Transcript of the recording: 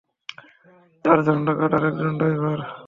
চারজন ডাকাত আর একজন ড্রাইভার।